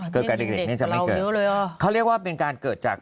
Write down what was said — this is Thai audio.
เกิดกับเด็กเนี่ยจะไม่เกิดเขาเรียกว่าเป็นการเกิดจาก